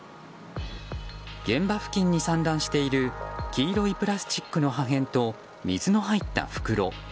現場付近に散乱している黄色いプラスチックの破片と水の入った袋。